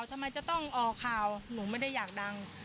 ทำไมจะต้องออกข่าวหนูไม่ได้อยากดัง